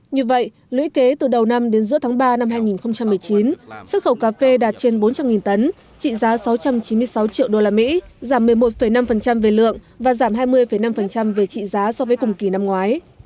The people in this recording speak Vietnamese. như vậy lũy kế từ đầu năm đến giữa tháng ba năm hai nghìn một mươi chín xuất khẩu cà phê đạt trên bốn trăm linh tấn trị giá sáu trăm chín mươi sáu triệu usd giảm một mươi một năm về lượng và giảm hai mươi năm về trị giá so với cùng kỳ năm ngoái